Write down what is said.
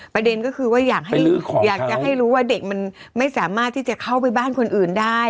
ประเด็นก็คือว่าอยากจะให้รู้ว่าเด็กมันไม่สามารถที่จะเข้าไปบ้านคนอื่นได้